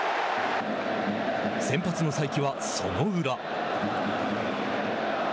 先発の才木はその裏。